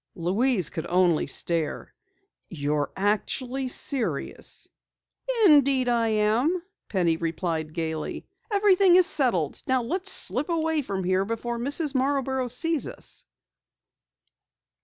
Louise could only stare. "You're actually serious!" "Indeed I am," Penny replied gaily. "Everything is settled. Now let's slip away from here before Mrs. Marborough sees us."